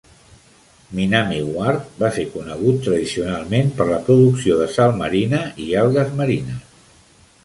Minami Ward va ser conegut tradicionalment per la producció de sal marina i algues marines.